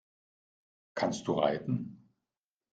Kannst du reiten?